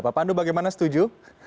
pak pandu bagaimana setuju